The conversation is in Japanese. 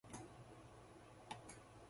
とんでもなく高くジャンプした